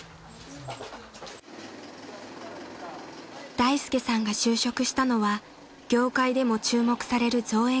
［大介さんが就職したのは業界でも注目される造園会社］